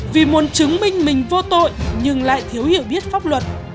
vì muốn chứng minh mình vô tội nhưng lại thiếu hiểu biết pháp luật